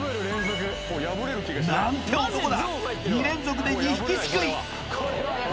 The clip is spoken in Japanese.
何て男だ２連続で２匹すくい！